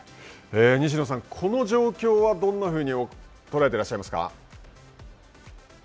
西野さん、この状況はどんなふうに捉えていらっしゃいますか。